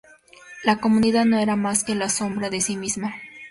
La comunidad no era más que la sombra de sí misma.